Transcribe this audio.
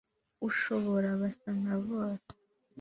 ushobora basa nka bose